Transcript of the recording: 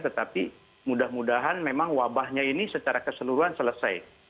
tetapi mudah mudahan memang wabahnya ini secara keseluruhan selesai